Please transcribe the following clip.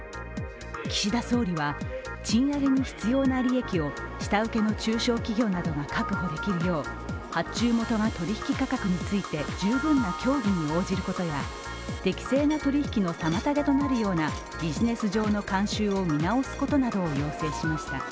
岸田総理は賃上げに必要な利益を下請けの中小企業などが確保できよう発注元が十分な協議に応じることや取引の妨げとなるようなビジネス上の慣習を見直すことなどを要請しました。